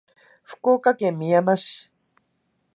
福岡県みやま市